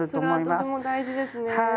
あそれはとても大事ですね。